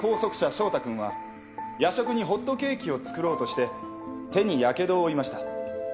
翔太君は夜食にホットケーキを作ろうとして手にやけどを負いました。